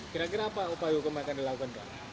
kira kira apa upaya hukum yang akan dilakukan pak